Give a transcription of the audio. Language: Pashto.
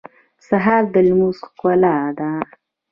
سهار د لمونځ ښکلا ده.